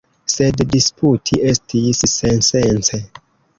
Sed disputi estis sensence.